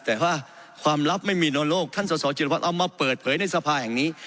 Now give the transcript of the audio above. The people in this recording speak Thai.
แต่ว่าความลับไม่มีนโลกท่านสสจิรวัตรเอามาเปิดเผยในสภาแห่งนี้